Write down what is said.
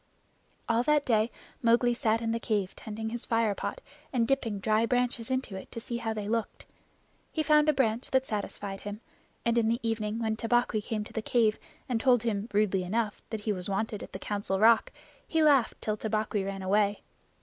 All that day Mowgli sat in the cave tending his fire pot and dipping dry branches into it to see how they looked. He found a branch that satisfied him, and in the evening when Tabaqui came to the cave and told him rudely enough that he was wanted at the Council Rock, he laughed till Tabaqui ran away.